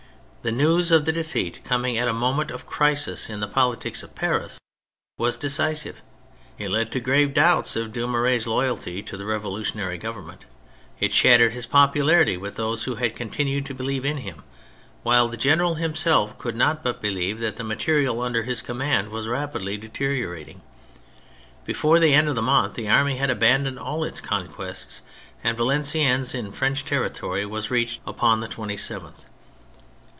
The news of the defeat, coming at a moment of crisis in the politics of Paris, was decisive; it led to grave doubts of Dumouriez' loyalty to the revolutionary Government, it shattered his popularity with those who had continued to believe in him, while the general himself could not but believe that the material under his command was rapidly deteriorating. Before the end of the month the army had abandoned all its conquests, and Valenciennes, in French territory, was reached upon the 27th.